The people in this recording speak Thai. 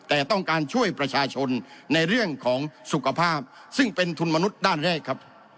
แต่ต้องการช่วยประชาชนในเรื่องของสุขภาพซึ่งเป็นทุนมนุษย์ด้านแรกครับ